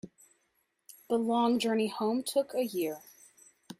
The long journey home took a year.